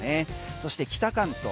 そして北関東